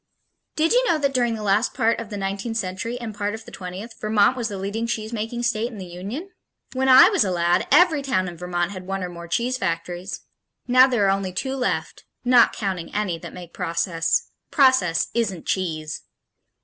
Did you know that during the last part of the nineteenth century and part of the twentieth, Vermont was the leading cheesemaking state in the Union? When I was a lad, every town in Vermont had one or more cheese factories. Now there are only two left not counting any that make process. Process isn't cheese!